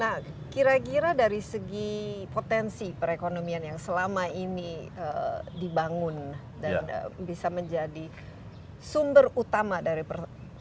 nah kira kira dari segi potensi perekonomian yang selama ini dibangun dan bisa menjadi sumber utama dari perusahaan